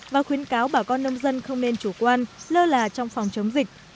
và khuyến cáo bà con nông dân không nên chủ quan lơ là trong phòng chống dịch